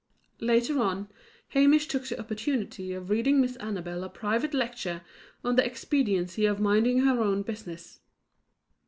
Later on, Hamish took the opportunity of reading Miss Annabel a private lecture on the expediency of minding her own business.